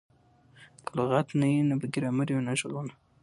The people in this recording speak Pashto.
که لغت نه يي؛ نه به ګرامر يي او نه ږغونه.